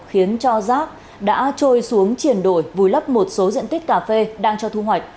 khiến cho rác đã trôi xuống triển đổi vùi lấp một số diện tích cà phê đang cho thu hoạch